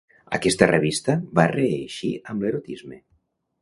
Aquesta revista va reeixir amb l'erotisme.